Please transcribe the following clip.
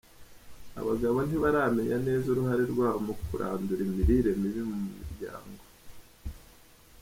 Abagabo ntibaramenya neza uruhare rwabo mu kurandura imirire mibi mu miryango.